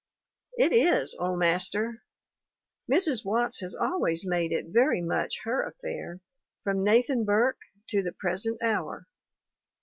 It is, O master! Mrs. Watts has always made it very much her affair, from Nathan Burke to the pres ent hour.